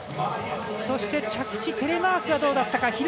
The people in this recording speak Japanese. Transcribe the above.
そして着地テレマークはどうだったか。